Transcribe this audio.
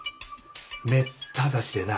めった刺しでな。